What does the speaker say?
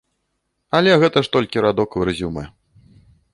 Але гэта ж толькі радок у рэзюмэ.